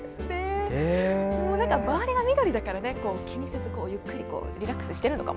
周りが緑だから気にせず、ゆっくりリラックスしてるのかも。